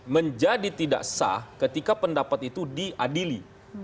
menjadi tidak sah ketika pendapat itu diadili